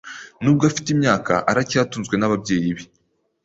Nubwo afite imyaka , aracyatunzwe nababyeyi be.